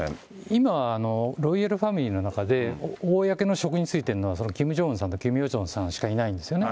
今はロイヤルファミリーの中で、公の職に就いてるのはキム・ジョンウンさんとキム・ヨジョンさんしかいないんですよね。